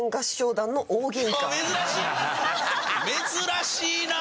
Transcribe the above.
珍しいな！